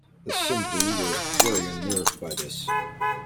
The Cimbri were very unnerved by this.